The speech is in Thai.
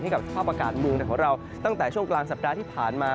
กับสภาพอากาศเมืองไทยของเราตั้งแต่ช่วงกลางสัปดาห์ที่ผ่านมา